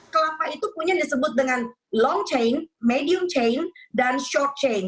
kelapa itu punya disebut dengan long chain medium chain dan short chain